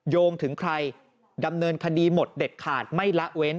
โยงถึงใครดำเนินคดีหมดเด็ดขาดไม่ละเว้น